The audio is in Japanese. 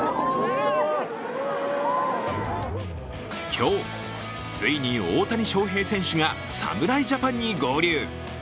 今日、ついに大谷翔平選手が侍ジャパンに合流。